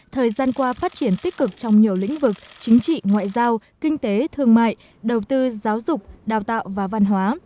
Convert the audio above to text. thời gian qua phát triển tích cực trong nhiều lĩnh vực chính trị ngoại giao kinh tế thương mại đầu tư giáo dục đào tạo và văn hóa